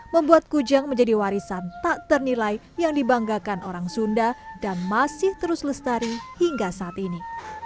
membuat kujang menjadi warisan tak ternilai yang dibanggakan orang sunda dan masih terus lestari hingga saat ini